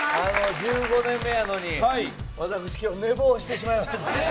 １５年目やのに私、今日寝坊してしまいまして。